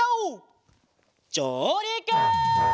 じょうりく！